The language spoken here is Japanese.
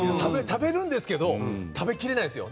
食べるんですけど食べきれないんですよ。